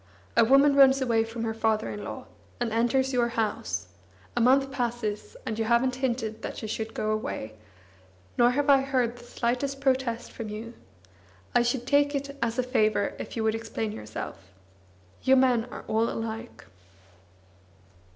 A woman runs away from her father in law, and enters your house; a month passes, and you haven't hinted that she should go away, nor have I heard the slightest protest from you. I should cake it as a favour if you would explain yourself. You men are all alike."